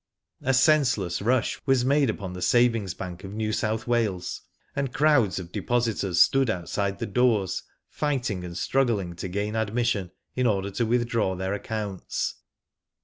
A senseless rush was mad^ upon the Savings Bank of New South Wales, and crowds of de positors stood outside the doors, fighting and struggling to gain admission, in order to with draw their accounts.